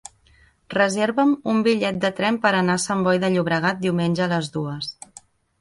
Reserva'm un bitllet de tren per anar a Sant Boi de Llobregat diumenge a les dues.